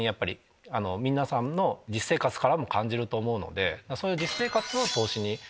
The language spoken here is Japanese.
皆さんの実生活からも感じると思うので。